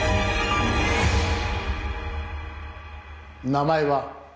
名前は？